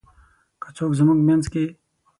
که څوک زمونږ مينځ کې :